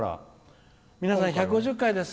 皆さん、１５０回です。